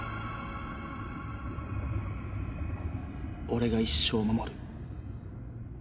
俺が一生守る。